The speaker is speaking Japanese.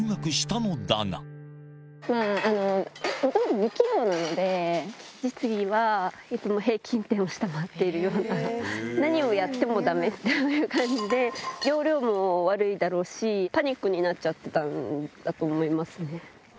もともと不器用なので、実技はいつも平均点を下回っているような、何をやってもだめっていう感じで、要領も悪いだろうし、パニックになっちゃってたんだと思いますね。